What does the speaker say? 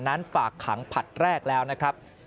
นั้นฝากขังผลัดแรกแล้วนะครับ